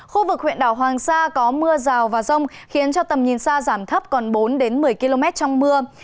khu vực huyện đảo hoàng sa có mưa rào và rông khiến tầm nhìn xa giảm thấp còn bốn một mươi km trong mưa